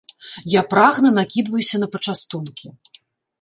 Я прагна накідваюся на пачастункі.